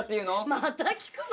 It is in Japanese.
また聞くの？